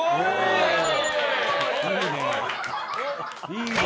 いいね！